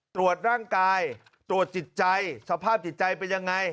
ตรวจร่างกายตรวจจิตใจสภาพจิตใจเป็นยังไง